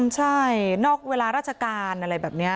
ใช่นอกเวลาราชการอะไรแบบนี้